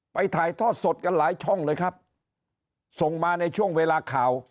ถ่ายทอดสดกันหลายช่องเลยครับส่งมาในช่วงเวลาข่าว